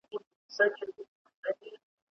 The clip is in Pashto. ¬ په يوه گل نه پسرلي کېږي.